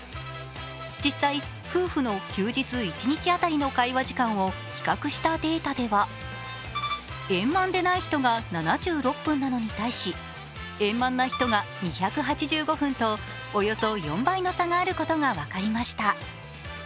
実際、夫婦の休日一日当たりの会話時間を比較したデータでは円満でない人が７６分に対し円満な人が２８５分と、およそ４倍の差があることが分かりました。